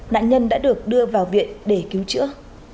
nạn nhân đã được đưa vào viện để cứu chữa